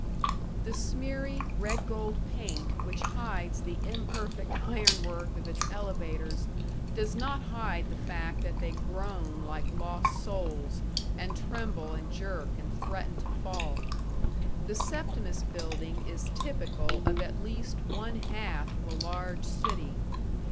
The smeary, red gold paint which hides the imperfect ironwork of its elevators does not hide the fact that they groan like lost souls, and tremble and jerk and threaten to fall. The Septimus Building is typical of at least one half of a large city.